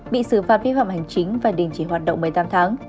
bị xử phạt vi phạm hành chính và đình chỉ hoạt động một mươi tám tháng